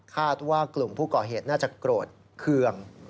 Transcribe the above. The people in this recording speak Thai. คาดว่ากลุ่มผู้ก่อเหตุน่าจะโกรธเคือง